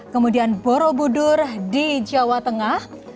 kemudian borobudur di jawa tengah